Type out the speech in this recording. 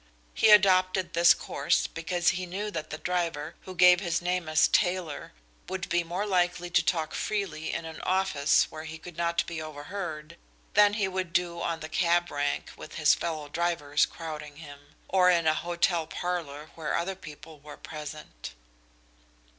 He adopted this course because he knew that the driver, who gave his name as Taylor, would be more likely to talk freely in an office where he could not be overheard than he would do on the cab rank with his fellow drivers crowding him, or in an hotel parlour where other people were present.